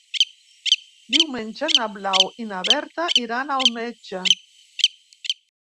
Diumenge na Blau i na Berta iran al metge.